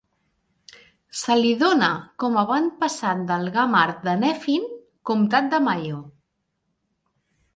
Se li dóna com a avantpassat del Gamarad de Nephin, comtat de Mayo